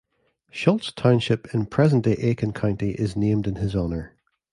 Shultz Township in present-day Aiken County is named in his honor.